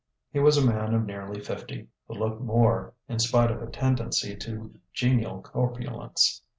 He was a man of nearly fifty, who looked more, in spite of a tendency to genial corpulence.